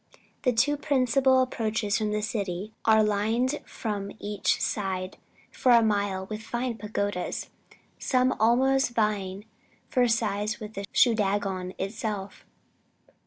"The two principal approaches from the city are lined on each side, for a mile, with fine pagodas, some almost vieing for size with Shoodagon itself.